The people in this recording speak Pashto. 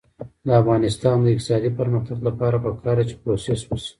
د افغانستان د اقتصادي پرمختګ لپاره پکار ده چې پروسس وشي.